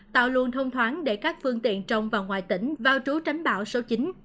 tạo luôn thông thoáng để các phương tiện trong và ngoài tỉnh vào trú tránh bão số chín